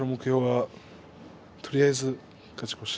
とりあえず勝ち越し。